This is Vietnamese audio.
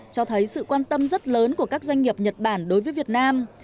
cho thấy sự quan tâm rất lớn của các doanh nghiệp nhật bản đối với việt nam